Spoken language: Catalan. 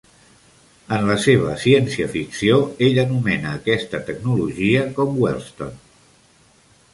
En la seva ciència-ficció, ell anomena aquesta tecnologia com "Wellstone".